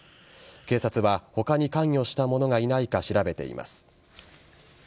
警察は他に関与した者がいないか調べています。